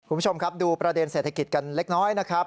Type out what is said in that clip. คุณผู้ชมครับดูประเด็นเศรษฐกิจกันเล็กน้อยนะครับ